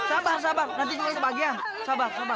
sabar sabar nanti semuanya sebagian sabar sabar